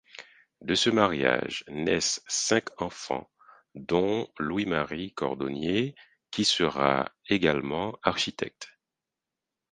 De ce mariage naissent cinq enfants dont Louis Marie Cordonnier qui sera également architecte.